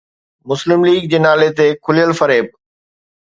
مسلم ليگ جي نالي تي کليل فريب.